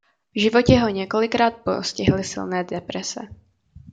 V životě ho několikrát postihly silné deprese.